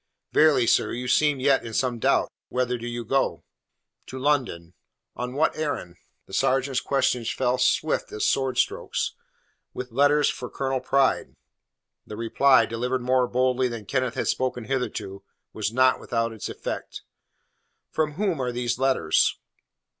"Verily, sir, you seem yet in some doubt. Whither do you go?" "To London." "On what errand?" The sergeant's questions fell swift as sword strokes. "With letters for Colonel Pride." The reply, delivered more boldly than Kenneth had spoken hitherto, was not without its effect. "From whom are these letters?"